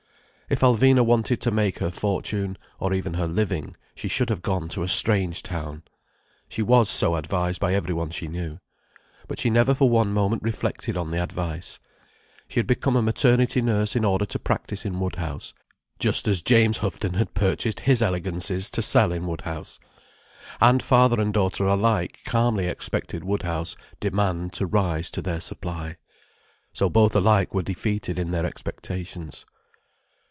If Alvina wanted to make her fortune—or even her living—she should have gone to a strange town. She was so advised by every one she knew. But she never for one moment reflected on the advice. She had become a maternity nurse in order to practise in Woodhouse, just as James Houghton had purchased his elegancies to sell in Woodhouse. And father and daughter alike calmly expected Woodhouse demand to rise to their supply. So both alike were defeated in their expectations.